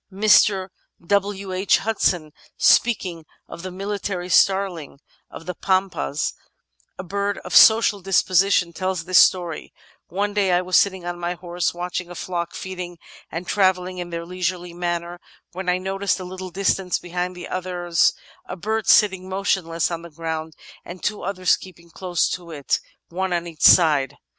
Mr. W. H. Hudson, speak ing of the Military Starling of the pampas — a bird of social dis position — ^tells this story: "One day I was sitting on my horse watching a flock feeding and travelling in their leisurely manner, when I noticed a little distance behind the others a bird sitting motionless on the ground and two others keeping close to it, one on each side.